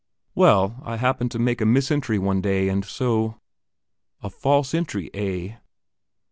"Well, I happened to make a mis entry one day, and so " "A false entry, eh?"